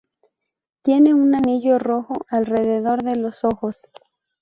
Tiene un anillo rojo alrededor de los ojos.